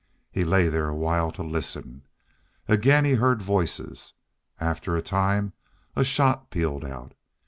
He lay there awhile to listen. Again he heard voices. After a time a shot pealed out.